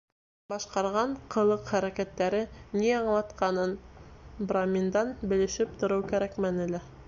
Башҡарған ҡылыҡ-хәрәкәттәре ни аңлатҡанын браминдан белешеп тороу кәрәкмәне лә.